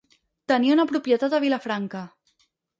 Tenia una propietat a Vilafranca.